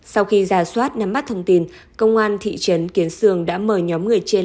sau khi ra soát nắm mắt thông tin công an thị trấn kiến sương đã mời nhóm người trên